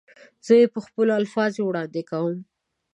زه یې په خپلو الفاظو وړاندې کوم.